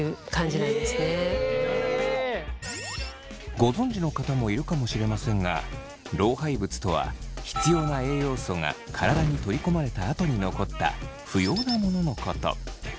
ご存じの方もいるかもしれませんが老廃物とは必要な栄養素が体に取り込まれたあとに残った不要なもののこと。